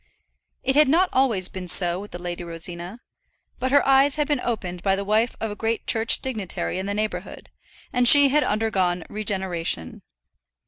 It had not always been so with the Lady Rosina; but her eyes had been opened by the wife of a great church dignitary in the neighbourhood, and she had undergone regeneration.